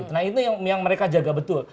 nah itu yang mereka jaga betul